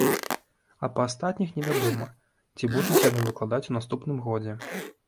А па астатніх не вядома, ці будуць яны выкладаць у наступным годзе.